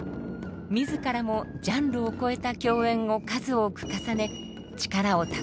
自らもジャンルを超えた共演を数多く重ね力を蓄えてきました。